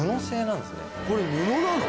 これ布なの？